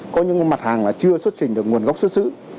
có những mặt hàng chưa xuất trình được nguồn gốc xuất xứ